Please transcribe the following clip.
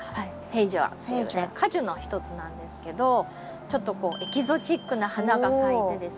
フェイジョア果樹のひとつなんですけどちょっとこうエキゾチックな花が咲いてですね